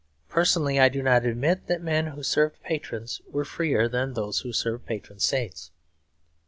Personally I do not admit that the men who served patrons were freer than those who served patron saints.